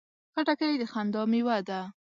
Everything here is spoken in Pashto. خټکی د خندا مېوه ده.